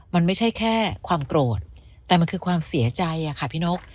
มันไม่ใช่แค่ความโกรธแต่มันคือความเสียใจอะค่ะพี่นก